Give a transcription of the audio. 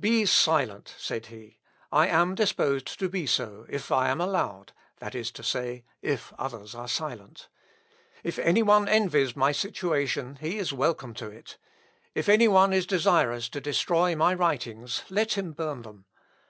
"Be silent!" said he, "I am disposed to be so, if I am allowed that is to say, if others are silent. If any one envies my situation he is welcome to it. If any one is desirous to destroy my writings, let him burn them.